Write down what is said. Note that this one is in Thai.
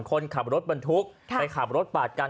คนขับรถบรรทุกไปขับรถปาดกัน